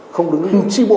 không đứng chi bộ